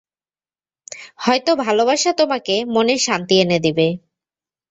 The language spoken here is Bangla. হয়তো ভালোবাসা তোমাকে মনের শান্তি এনে দেবে।